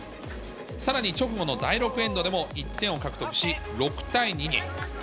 さらに直後の第６エンドでも、１点を獲得し、６対２に。